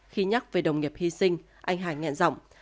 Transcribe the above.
khi nhắc về đồng nghiệp hy sinh anh hải ngẹn rộng